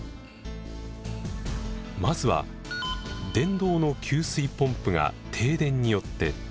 まずは電動の給水ポンプが停電によって停止。